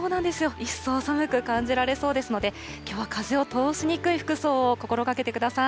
一層寒く感じられそうですので、きょうは風を通しにくい服装を心がけてください。